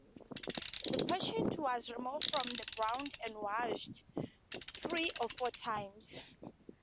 The patient was removed from the ground and washed three or four times.